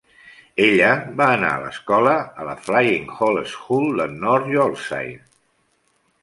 Ella va anar a l'escola a la Fyling Hall School de North Yorkshire.